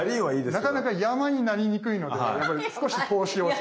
なかなか山になりにくいのでやっぱり少し投資をして頂くといいなって。